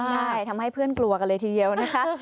ใช่ทำให้เพื่อนกลัวกันเลยทีเดียวนะคะ